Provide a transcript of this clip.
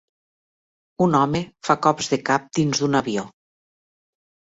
Un home fa cops de cap dins d'un avió.